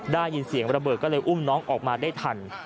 ได้ยินเสียงระเบิดก็เลยอุ้มน้องออกมาได้ทัน